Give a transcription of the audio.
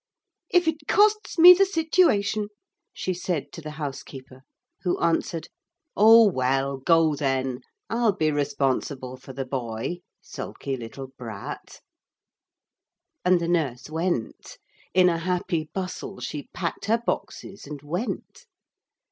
'If it costs me the situation,' she said to the housekeeper, who answered: 'Oh, well go, then. I'll be responsible for the boy sulky little brat.' And the nurse went. In a happy bustle she packed her boxes and went.